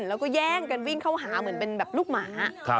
แล้วก็แย่งกันวิ่งเข้าหาเหมือนเป็นแบบลูกหมา